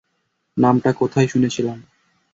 নামটা কোথায় শুনেছিলাম?